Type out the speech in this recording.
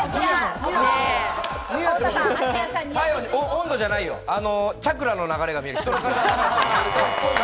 温度じゃないよ、チャクラの流れが見える。